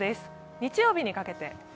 日曜日にかけて。